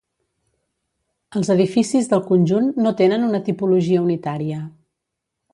Els edificis del conjunt no tenen una tipologia unitària.